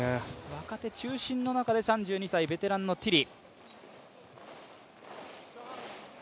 若手中心の中で３２歳、ベテランのティリ。